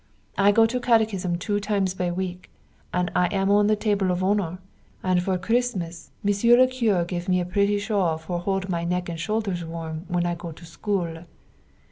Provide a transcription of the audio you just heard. I go to catechism two times by week, and I am on the table of honor, and for Christmas Mr. le Curé give me a pretty shawl for hold my neck and shoulders warm when I go to school.